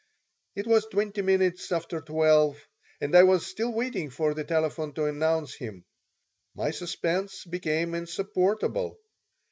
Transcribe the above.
It was twenty minutes after 12 and I was still waiting for the telephone to announce him. My suspense became insupportable.